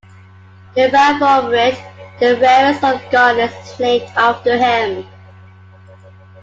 Uvarovite, the rarest of garnets, is named after him.